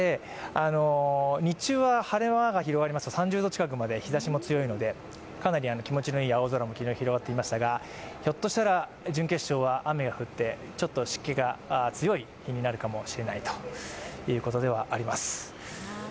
日中は晴れ間が広がりまして３０度近くまで、日ざしも強いのでかなり気持ちのいい青空も昨日広がっていましたが、ひょっとしたら準決勝は雨が降って、ちょっと湿気が強い日になるかもしれないということではあります。